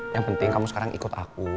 yang penting kamu sekarang ikut aku